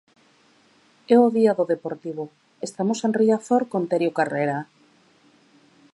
E o día do Deportivo, estamos en Riazor con Terio Carrera.